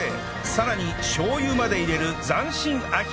さらにしょう油まで入れる斬新アヒージョ